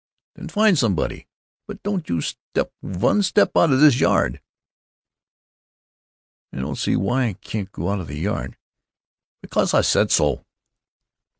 "Then find somebody. But don't you step vun step out of this yard." "I don't see why I can't go outa the yard!" "Because I said so."